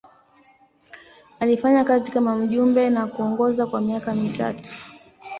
Alifanya kazi kama mjumbe na kuongoza kwa miaka mitatu.